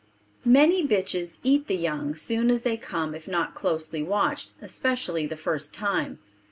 Many bitches eat the young soon as they come if not closely watched, especially the first time.